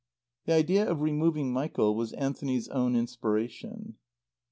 The idea of removing Michael was Anthony's own inspiration.